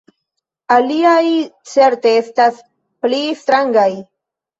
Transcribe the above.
Aliaj certe estas pli strangaj.